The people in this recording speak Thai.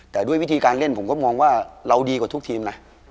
แต่ด้วยวิธีการเล่นผมก็มองว่าเราดีกว่าทุกทีมนะ